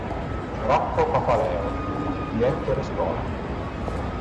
Rocco Papaleo" di Ettore Scola.